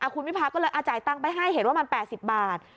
คุณวิพาก็เลยจ่ายตังค์ไปให้เห็นว่ามัน๘๐บาท